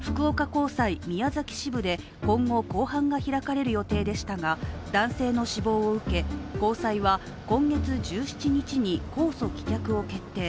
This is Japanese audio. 高裁宮崎支部で今後公判が開かれる予定でしたが、男性の死亡を受け高裁は今月１７日に控訴棄却を決定。